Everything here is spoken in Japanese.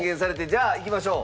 じゃあいきましょう。